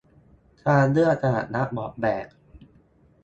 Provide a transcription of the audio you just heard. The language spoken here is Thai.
ทางเลือกสำหรับนักออกแบบ